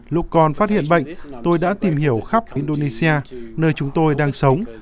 lúc con phát hiện bệnh tôi đã tìm hiểu khắp indonesia nơi chúng tôi đang sống